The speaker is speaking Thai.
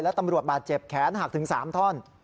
และตำรวจบาดเจ็บแขนหักถึง๓ท่อน